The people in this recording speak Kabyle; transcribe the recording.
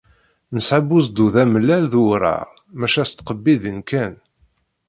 Nesεa buzdud amellal d uwraɣ, maca s tqebbiḍin kan.